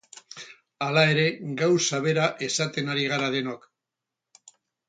Hala ere, gauza bera esaten ari gara denok.